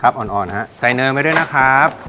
ครับอ่อนนะครับใส่เนื้อมาด้วยนะครับ